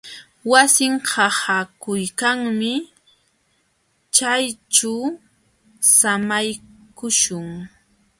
Wasin haakuykanmi. Chayćhu samaykuśhun.